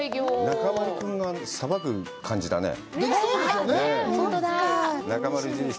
中丸君がさばく感じだね。